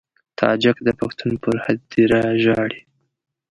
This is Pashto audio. تاجک د پښتون پر هدیره ژاړي.